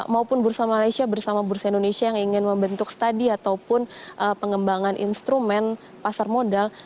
maupun bursa malaysia bersama bursa indonesia yang ingin membentuk study ataupun pengembangan instrumen pasar modal